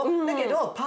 だけどあ。